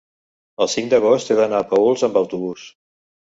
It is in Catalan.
el cinc d'agost he d'anar a Paüls amb autobús.